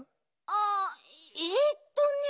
あえっとね。